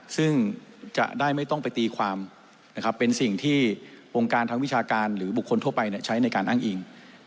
ซึ่งจะได้ไม่ต้องไปตีความนะครับเป็นสิ่งที่วงการทางวิชาการหรือบุคคลทั่วไปใช้ในการอ้างอิง